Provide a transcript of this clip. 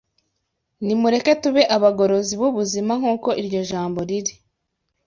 Nimureke tube abagorozi b’ubuzima nk’uko iryo jambo riri